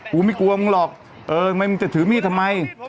กูไม่กลัวมึงหรอกเออมึงจะถือมีดทำไม